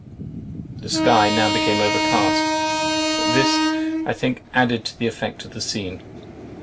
The sky now became overcast; but this, I think, added to the effect of the scene.